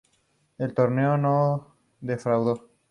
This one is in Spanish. El torneo no defraudó.